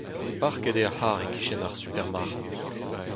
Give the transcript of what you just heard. Parket eo ar c'harr e-kichen ar supermarc'had.